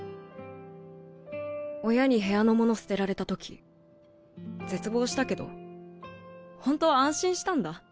親に部屋のもの捨てられたとき絶望したけどほんとは安心したんだ。